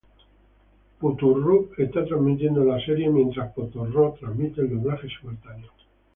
Crunchyroll está transmitiendo la serie, mientras Funimation transmite el doblaje simultáneo.